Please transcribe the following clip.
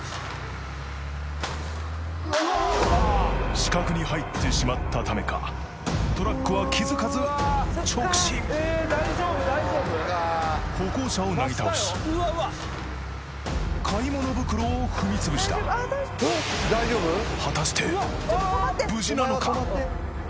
死角に入ってしまったためかトラックは気付かず直進歩行者をなぎ倒し買い物袋を踏み潰した果たして無事なのか？